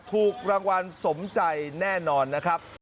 ถูกรางวัลสมใจแน่นอนนะครับ